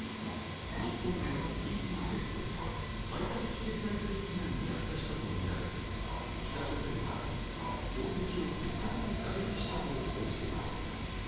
日本のＥＥＺ＝排他的経済水域内に落下したとみられ北朝鮮は標的を的確に打撃したと報じています。